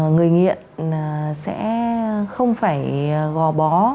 người nghiện sẽ không phải gò bó